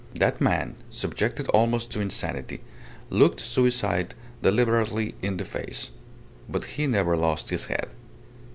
That man, subjective almost to insanity, looked suicide deliberately in the face. But he never lost his head.